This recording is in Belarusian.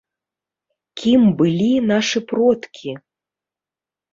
Кім былі нашы продкі?